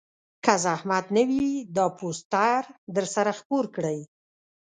که زحمت نه وي دا پوسټر درسره خپور کړئ